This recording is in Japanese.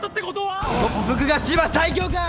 特服が千葉最強か！